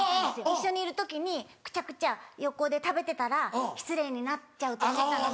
一緒にいる時にクチャクチャ横で食べてたら失礼になっちゃうと思ったので。